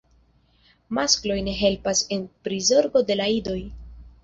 Maskloj ne helpas en prizorgo de la idoj.